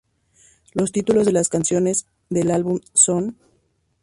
Los títulos de las canciones del álbum son.